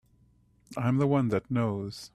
I'm the one that knows.